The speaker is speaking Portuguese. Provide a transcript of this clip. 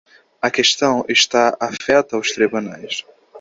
A questão está afeta aos tribunais.